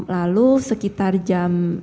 lalu sekitar jam